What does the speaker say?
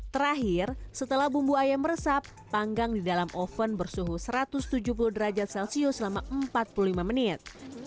terakhir setelah bumbu ayam meresap panggang di dalam oven bersuhu satu ratus tujuh puluh derajat celcius selama empat puluh lima menit